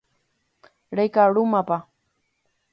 rekarúmapa